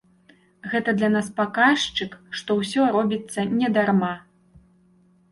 Гэта для нас паказчык, што ўсё робіцца не дарма.